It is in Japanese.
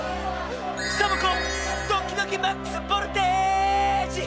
サボ子ドキドキマックスボルテージ！